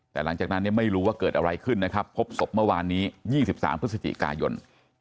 แต่หลังจากนั้นไม่รู้ว่าเกิดอะไรขึ้นนะครับพบศพเมื่อวานนี้๒๓พฤศจิกายน